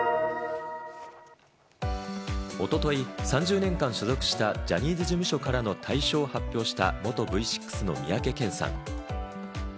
一昨日、３０年間所属したジャニーズ事務所からの退所を発表した元Ｖ６の三宅健さん。